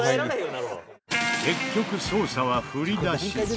結局捜査は振り出し。